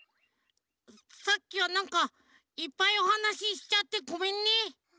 さっきはなんかいっぱいおはなししちゃってごめんね。